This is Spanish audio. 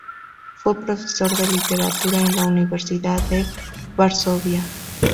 Fue profesor de literatura en la Universidad de Varsovia.